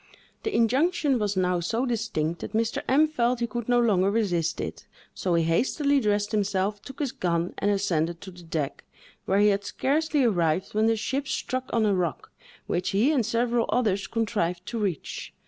The injunction was now so distinct that Mr. M—— felt he could no longer resist it; so he hastily dressed himself, took his gun, and ascended to the deck, where he had scarcely arrived, when the ship struck on a rock, which he and several others contrived to reach.